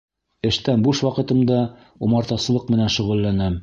Эштән буш ваҡытымда умартасылыҡ менән шөғөлләнәм.